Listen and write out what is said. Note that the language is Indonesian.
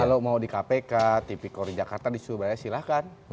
kalau mau di kpk tipikor di jakarta di surabaya silahkan